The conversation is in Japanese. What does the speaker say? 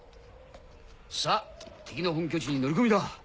さっ敵の本拠地に乗り込みだ！